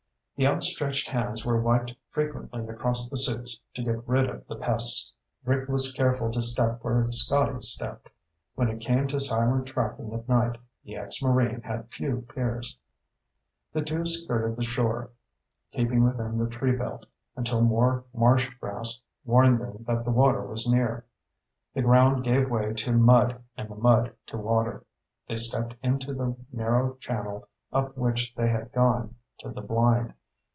The outstretched hands were wiped frequently across the suits to get rid of the pests. Rick was careful to step where Scotty stepped. When it came to silent tracking at night, the ex Marine had few peers. The two skirted the shore, keeping within the tree belt, until more marsh grass warned them that the water was near. The ground gave way to mud, and the mud to water. They stepped into the narrow channel up which they had gone to the blind.